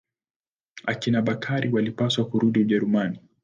Akina Bakari walipaswa kurudi Ujerumani.